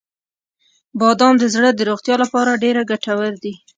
• بادام د زړه د روغتیا لپاره ډیره ګټور دی.